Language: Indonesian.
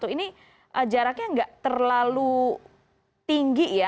ini jaraknya nggak terlalu tinggi ya